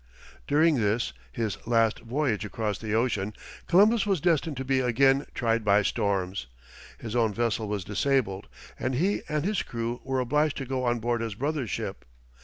During this, his last voyage across the ocean, Columbus was destined to be again tried by storms. His own vessel was disabled, and he and his crew were obliged to go on board his brother's ship.